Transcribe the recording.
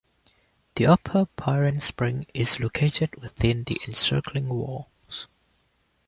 The Upper Pirene spring is located within the encircling walls.